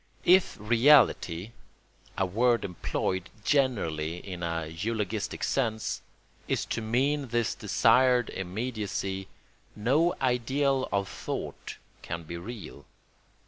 If reality (a word employed generally in a eulogistic sense) is to mean this desired immediacy, no ideal of thought can be real.